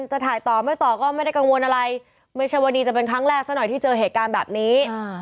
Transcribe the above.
จะถ่ายต่อไม่ต่อก็ไม่ได้กังวลอะไรไม่ใช่ว่านี่จะเป็นครั้งแรกซะหน่อยที่เจอเหตุการณ์แบบนี้